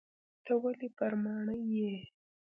ته ولي پر ماڼي یې ؟